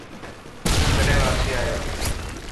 تون ڪڏهن واپسي آيو.